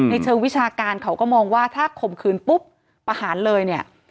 เชิงวิชาการเขาก็มองว่าถ้าข่มขืนปุ๊บประหารเลยเนี่ย